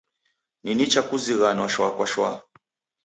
Ni nicha kuzighanwa shwa kwa shwa.